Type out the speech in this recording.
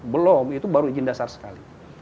belum itu baru izin dasar sekali